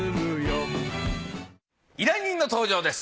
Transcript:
依頼人の登場です。